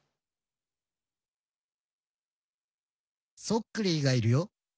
そっクリーがいるよ